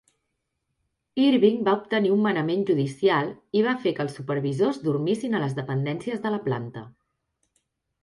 Irving va obtenir un manament judicial i va fer que els supervisors dormissin a les dependències de la planta.